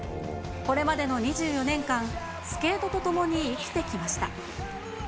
これまでの２４年間、スケートとともに生きてきました。